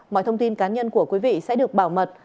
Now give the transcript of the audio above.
mọi thông tin cá nhân của quý vị sẽ được bảo mật